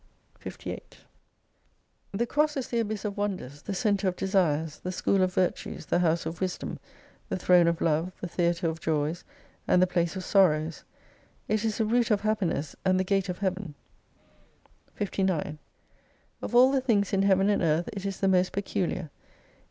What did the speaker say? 58 The Cross is the abyss of wonders, the centre of desires, the school of virtues, the house of wisdom, the throne of love, the theatre of joys, and the place of sorrows ; It is the root of happiness, and the gate of Heaven. 59 Of all the things in Heaven and Earth it is the most peculiar.